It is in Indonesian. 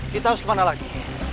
kita harus kemana lagi